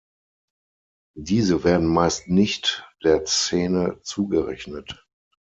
Diese werden meist nicht der Szene zugerechnet.